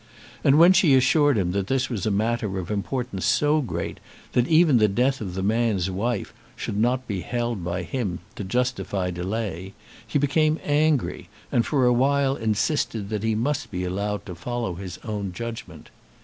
And when she assured him that this was a matter of importance so great, that even the death of the man's wife should not be held by him to justify delay, he became angry, and for awhile insisted that he must be allowed to follow his own judgment.